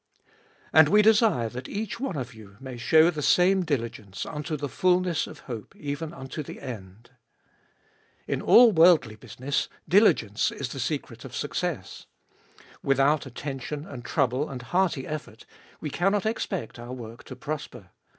And we desire that each one of you may show the same diligence unto the fulness of hope even unto the end. In all worldly business diligence is the secret of success. Without attention and trouble and hearty effort we cannot expect our work to prosper.